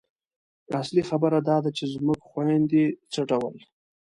اصلي خبره دا ده چې زموږ خویندې څه ډول